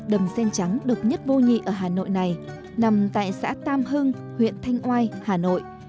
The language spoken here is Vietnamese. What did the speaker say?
đầm sen trắng độc nhất vô nhị ở hà nội này nằm tại xã tam hưng huyện thanh oai hà nội